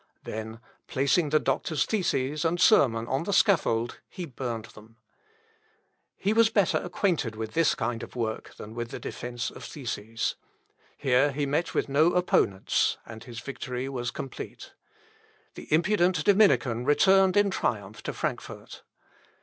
Then placing the doctor's theses and sermon on the scaffold, he burned them. He was better acquainted with this kind of work than with the defence of theses. Here he met with no opponents, and his victory was complete. The impudent Dominican returned in triumph to Frankfort.